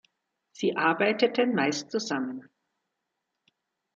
Sie arbeiteten meist zusammen.